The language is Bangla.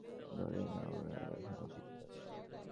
ধরেই নাও ওরা এখনো জীবিত আছে।